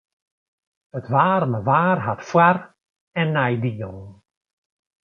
It waarme waar hat foar- en neidielen.